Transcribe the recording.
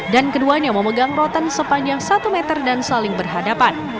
dan keduanya memegang rotan sepanjang satu meter dan saling berhadapan